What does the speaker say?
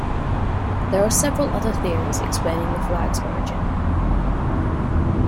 There are several other theories explaining the flag's origin.